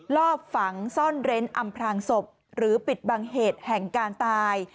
รอบฝังซ่อนเร้นอำพลางศพหรือปิดบังเหตุแห่งการตาย